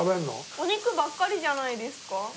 お肉ばっかりじゃないですか？